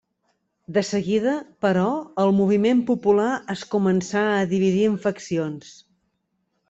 De seguida, però, el moviment popular es començà a dividir en faccions.